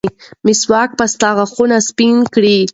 مسواک به ستا غاښونه سپین کړي.